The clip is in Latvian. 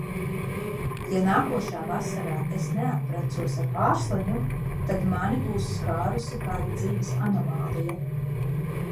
Ja nākošā vasarā es neapprecos ar Pārsliņu, tad mani būs skārusi kāda dzīves anomālija!